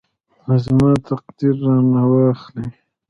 زما تقدیر رانه واخلي.